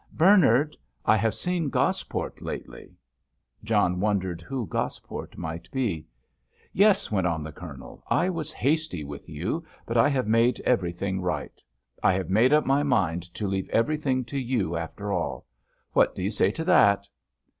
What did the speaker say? "Bernard, I have seen Gosport lately." John wondered who Gosport might be. "Yes," went on the Colonel. "I was hasty with you, but I have made everything right. I have made up my mind to leave everything to you after all. What do you say to that?"